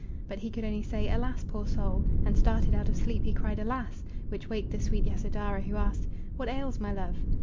But he could only say "Alas! poor soul!" And started out of sleep he cried "Alas!" Which waked the sweet Yasodhara, who asked, "What ails my love?"